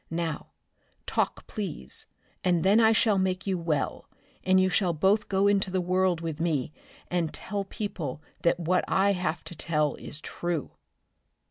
Now, talk please and then I shall make you well, and you shall both go into the world with me, and tell people that what I have to tell is true!"